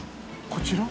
こちら？